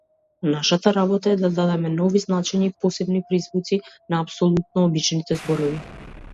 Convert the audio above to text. Нашата работа е да дадеме нови значења и посебни призвуци на апсолутно обичните зборови.